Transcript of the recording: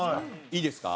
いいですか？